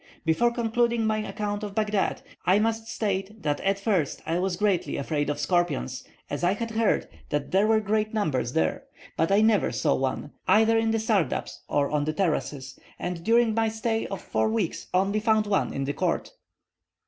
Before concluding my account of Baghdad, I must state that at first I was greatly afraid of scorpions, as I had heard that there were great numbers there; but I never saw one, either in the sardabs or on the terraces, and during my stay of four weeks only found one in the court.